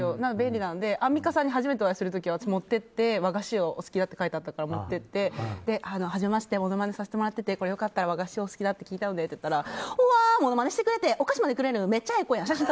アンミカさんに初めてお会いする時は持って行って私、和菓子お好きって書いてあったから持っていってはじめまして、ものまねをさせてもらっていて良かったら和菓子お好きだって聞いたのでって言ったらわー、ものまねしてくれてお菓子までくれるのめっちゃええ子やん！